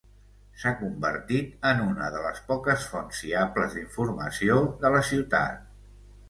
S'ha convertit en una de les poques fonts fiables d'informació de la ciutat.